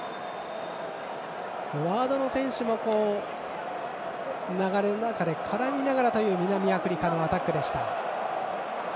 フォワードの選手も流れの中で絡みながらという南アフリカのアタックでした。